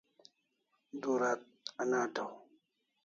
Du rat anataw